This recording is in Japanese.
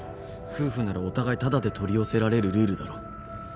夫婦ならお互いタダで取り寄せられるルールだろ。